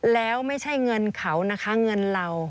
แล้วไม่ใช่เงินเขานะคะเงินเรา